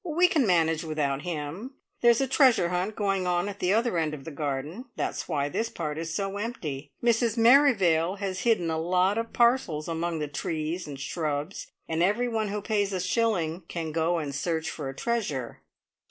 "We can manage without him. There is a Treasure Hunt going on at the other end of the garden. That is why this part is so empty. Mrs Merrivale has hidden a lot of parcels among the trees and shrubs, and everyone who pays a shilling can go and search for a treasure."